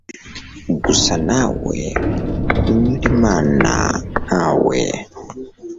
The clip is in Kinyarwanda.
gusa nawe, kunyura imana nkawe